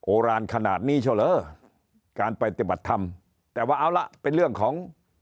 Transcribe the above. รานขนาดนี้เช่าเหรอการปฏิบัติธรรมแต่ว่าเอาละเป็นเรื่องของ